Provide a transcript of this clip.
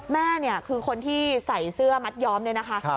แม่คือคนที่ใส่เสื้อมัดยอมด้วยนะคะ